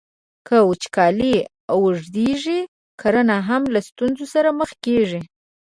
که وچکالۍ اوږدیږي، کرنه هم له ستونزو سره مخ کیږي.